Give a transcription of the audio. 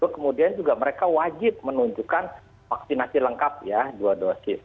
kemudian juga mereka wajib menunjukkan vaksinasi lengkap ya dua dosis